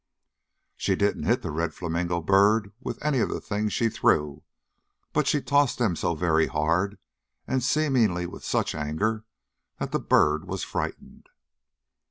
She didn't hit the red flamingo bird with any of the things she threw, but she tossed them so very hard, and seemingly with such anger, that the bird was frightened.